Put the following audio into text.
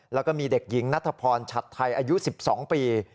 แล้วก็มีเด็กหญิงนัทพรฉัดไทยอายุ๑๒ปี